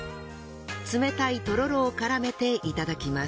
冷たいとろろを絡めていただきます。